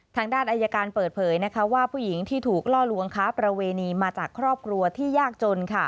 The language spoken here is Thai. ทางด้านอายการเปิดเผยว่าผู้หญิงที่ถูกล่อลวงค้าประเวณีมาจากครอบครัวที่ยากจน